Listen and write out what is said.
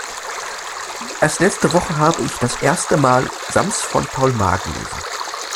Erst letzte Woche habe ich das erste mal Sams von Paul Maar gelesen.